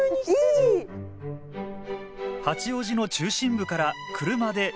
八王子の中心部から車で１０分。